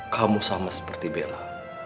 kamu sama seperti bella